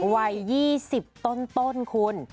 วัย๒๐ต้นคุณ